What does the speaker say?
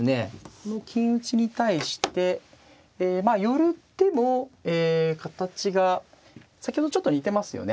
この金打ちに対して寄る手もえ形が先ほどとちょっと似てますよね。